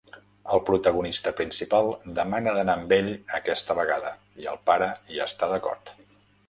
El protagonista principal demana d'anar amb ell aquesta vegada i el pare hi està d'acord.